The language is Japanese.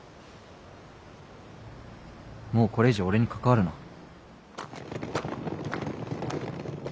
もうこれ以上俺に関わるな。